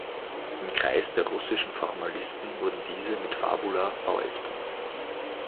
Im Kreis der russischen Formalisten wurden diese mit „fabula vs.